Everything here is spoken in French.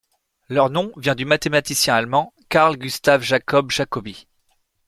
Leur nom vient du mathématicien allemand Carl Gustav Jakob Jacobi.